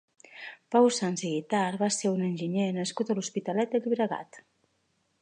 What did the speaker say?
Pau Sans i Guitart va ser un enginyer nascut a l'Hospitalet de Llobregat.